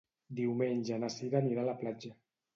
Diumenge na Sira anirà a la platja.